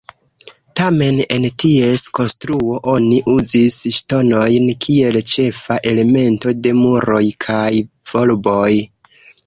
Tamen, en ties konstruo oni uzis ŝtonojn kiel ĉefa elemento de muroj kaj volboj.